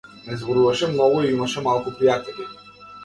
Не зборуваше многу и имаше малку пријатели.